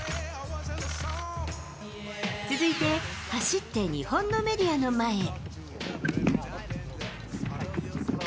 続いて、走って日本のメディアの前へ。